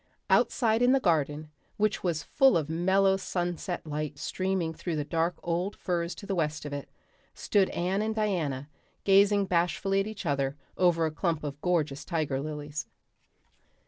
Outside in the garden, which was full of mellow sunset light streaming through the dark old firs to the west of it, stood Anne and Diana, gazing bashfully at each other over a clump of gorgeous tiger lilies.